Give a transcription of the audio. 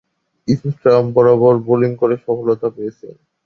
Stamp বরাবর bowling করে সফলতা পেয়েছেন।